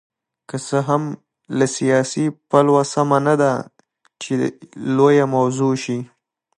که څه هم له سیاسي پلوه سمه نه ده چې لویه موضوع شي.